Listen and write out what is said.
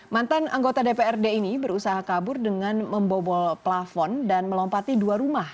mantan anggota dprd ini berusaha kabur dengan membobol plafon dan melompati dua rumah